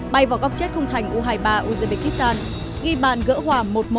bay vào góc chết khung thành u hai mươi ba ugb kittan ghi bàn gỡ hỏa một một